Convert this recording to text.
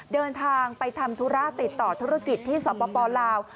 เดินทางไปทำธุระติดต่อธุรกิจที่สปลาว